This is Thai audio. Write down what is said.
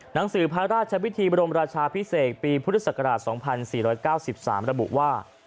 หนังสือพระราชวิธีบรมราชาพิเศษปีพุทธศักราช๒๔๙๓ระบุว่า